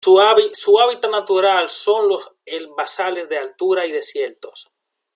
Su hábitat natural son los herbazales de altura y desiertos.